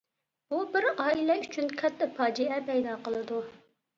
بۇ بىر ئائىلە ئۈچۈن كاتتا پاجىئە پەيدا قىلىدۇ.